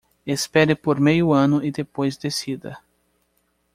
Espere por meio ano e depois decida